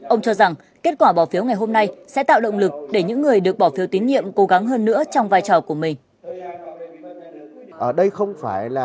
ông cho rằng kết quả bỏ phiếu ngày hôm nay sẽ tạo động lực để những người được bỏ phiếu tín nhiệm cố gắng hơn nữa trong vài năm